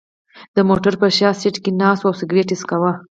د موټر په شا سېټ کې ناست و او سګرېټ یې څکاو.